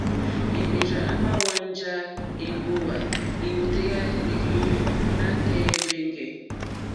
Èmbèrzà èmà hwánjá èmbówà lìwòtéyá lɛ̀ɛ̀lú nǎtɛ̀ɛ̀ mbɛ̀ngɛ̀.